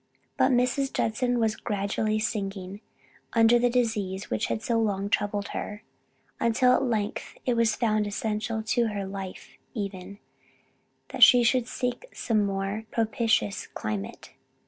But Mrs. Judson was gradually sinking under the disease which had so long troubled her, until at length it was found essential to her life even, that she should seek some more propitious climate.